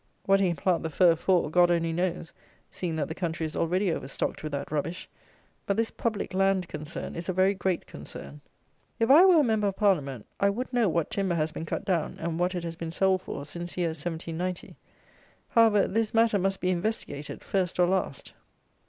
What he can plant the fir for, God only knows, seeing that the country is already over stocked with that rubbish. But this public land concern is a very great concern. If I were a Member of Parliament, I would know what timber has been cut down, and what it has been sold for, since year 1790. However, this matter must be investigated, first or last.